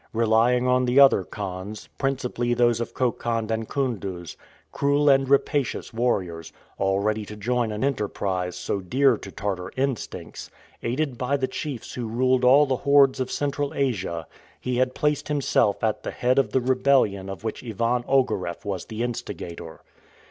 Relying on the other khans principally those of Khokhand and Koondooz, cruel and rapacious warriors, all ready to join an enterprise so dear to Tartar instincts aided by the chiefs who ruled all the hordes of Central Asia, he had placed himself at the head of the rebellion of which Ivan Ogareff was the instigator.